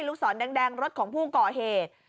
ลูกศรแดงรถของผู้ก่อเหตุ